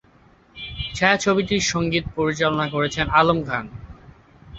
ছায়াছবিটির সঙ্গীত পরিচালনা করেছেন আলম খান।